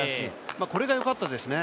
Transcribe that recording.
これがよかったですね。